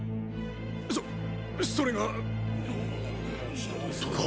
そそれが。